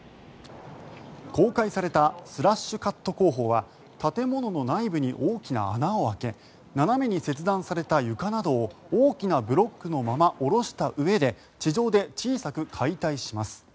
公開されたスラッシュカット工法は建物の内部に大きな穴を開け斜めに切断された床などを大きなブロックのまま下ろしたうえで地上で小さく解体します。